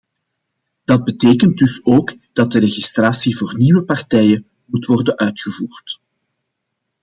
Dat betekent dus ook dat de registratie voor nieuwe partijen moet worden uitgevoerd.